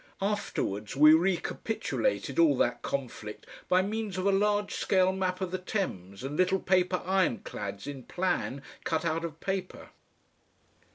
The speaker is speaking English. Afterwards we recapitulated all that conflict by means of a large scale map of the Thames and little paper ironclads in plan cut out of paper.